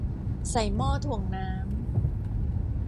ใส่หม้อถ่วงน้ำ